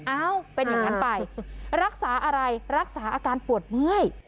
เอ้าเป็นอย่างนั้นไปรักษาอะไรรักษาอาการปวดเมื่อย